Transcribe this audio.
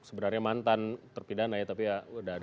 sebenarnya mantan terpidana ya tapi ya dari